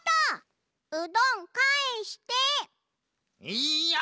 いや！